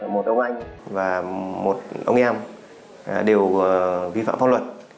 một ông anh và một ông em đều vi phạm pháp luật